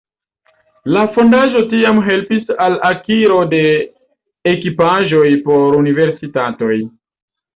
La fondaĵo tiam helpis al akiro de ekipaĵoj por universitatoj.